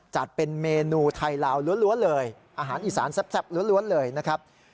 จัดเป็นเมนูไทยลาวล้วนเลยอาหารอีสานแซ่บล้วนเลยนะครับ